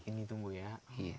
ini tumbuh ya